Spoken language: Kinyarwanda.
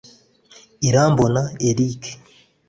Irambona Eric